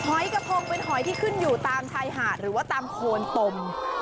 กระพงเป็นหอยที่ขึ้นอยู่ตามชายหาดหรือว่าตามโคนตม